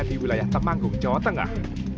di wilayah temanggung jawa tengah